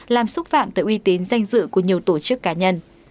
làm xúc phạm tới uy tín danh dự của nhiều tổ chức cá nhân